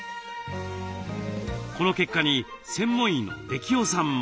この結果に専門医の出来尾さんも。